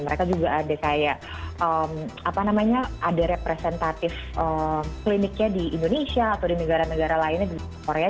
mereka juga ada kayak apa namanya ada representatif kliniknya di indonesia atau di negara negara lainnya di korea